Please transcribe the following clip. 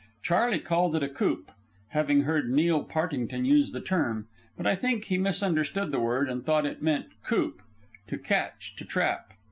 Charley called it a "coop," having heard Neil Partington use the term; but I think he misunderstood the word, and thought it meant "coop," to catch, to trap.